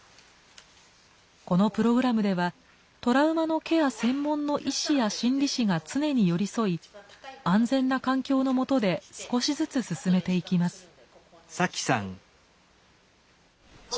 このプログラムではトラウマのケア専門の医師や心理師が常に寄り添い安全な環境のもとで少しずつ進めていきます。